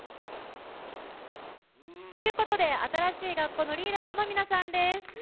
ということで新しい学校のリーダーズの皆さんです。